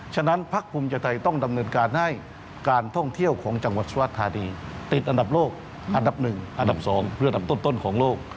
ฉะนั้นพักภูมิใจไทยต้องดำเนินการให้การท่องเที่ยวของจังหวัดสุรธานีติดอันดับโลกอันดับ๑อันดับ๒เพื่ออันดับต้นของโลก